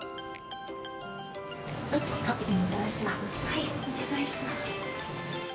はいお願いします。